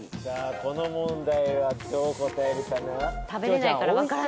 この問題はどう答えるかな？